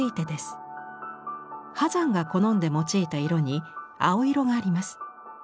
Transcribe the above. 波山が好んで用いた色に青色があります。